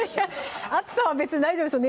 熱さは別に大丈夫ですよ